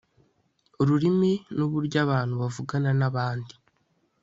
ururimi nuburyo abantu bavugana nabandi